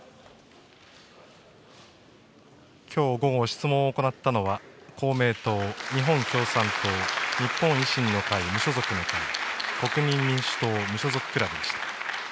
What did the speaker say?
きょう午後、質問を行ったのは公明党、日本共産党、日本維新の会・無所属の会、国民民主党・無所属クラブでした。